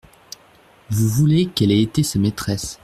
Vous voulez qu’elle ait été sa maîtresse.